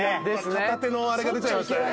片手のあれが出ちゃいましたね。